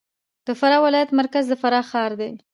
د فراه ولایت مرکز د فراه ښار دی